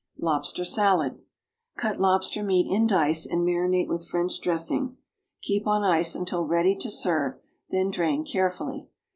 =Lobster Salad.= Cut lobster meat in dice and marinate with French dressing. Keep on ice until ready to serve, then drain carefully.